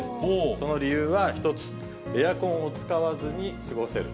その理由は１つ、エアコンを使わずに過ごせる。